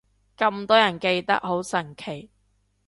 咁多人記得，好神奇